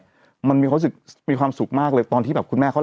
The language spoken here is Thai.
จำได้แล้วคนที่รู้สึกมีความหวังในชีวิตขึ้นมาเนี่ย